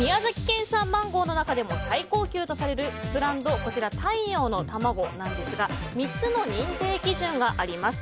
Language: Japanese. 県産マンゴーの中でも最高級とされるブランドこちら、太陽のタマゴなんですが３つの認定基準があります。